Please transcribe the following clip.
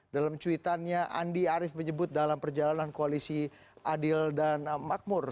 dalam cuitannya andi arief menyebut dalam perjalanan koalisi adil dan makmur